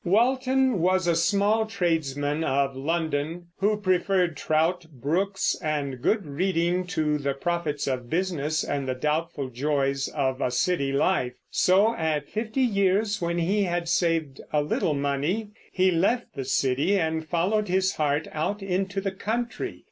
Walton was a small tradesman of London, who preferred trout brooks and good reading to the profits of business and the doubtful joys of a city life; so at fifty years, when he had saved a little money, he left the city and followed his heart out into the country.